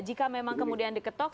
jika memang kemudian diketok